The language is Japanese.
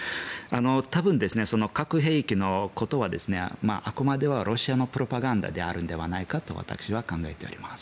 多分、核兵器のことはあくまでロシアのプロパガンダであるんではないかと私は考えております。